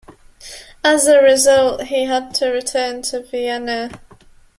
As a result, he had to return to Vienna.